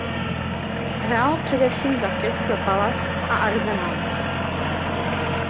Hrál především za Crystal Palace a Arsenal.